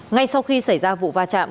ngay sau khi xảy ra vụ va chạm